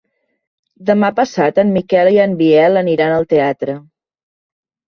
Demà passat en Miquel i en Biel aniran al teatre.